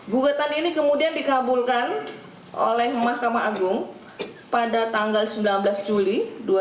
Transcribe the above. gugatan ini kemudian dikabulkan oleh mahkamah agung pada tanggal sembilan belas juli dua ribu dua puluh